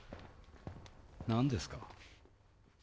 何ですか？